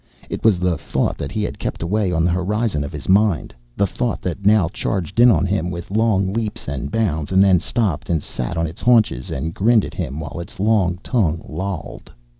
It was the thought that he had kept away on the horizon of his mind, the thought that now charged in on him with long leaps and bounds and then stopped and sat on its haunches and grinned at him while its long tongue lolled.